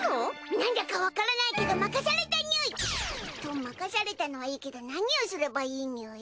なんだかわからないけど任されたにゅい！と任されたのはいいけど何をすればいいにゅい？